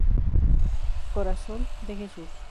Corazón de Jesús.